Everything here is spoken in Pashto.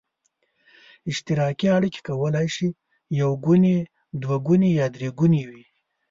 اشتراکي اړیکې کولای شي یو ګوني، دوه ګوني یا درې ګوني وي.